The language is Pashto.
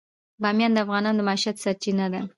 بامیان د افغانانو د معیشت سرچینه ده.